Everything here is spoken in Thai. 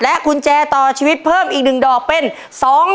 กุญแจต่อชีวิตเพิ่มอีก๑ดอกเป็น๒๐๐๐